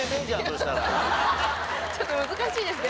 ちょっと難しいですね。